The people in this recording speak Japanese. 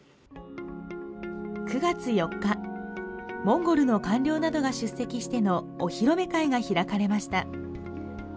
９月４日モンゴルの官僚などが出席してのお披露目会が開かれました